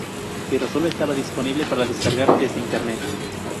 Pero solo estaba disponible para descargar desde Internet.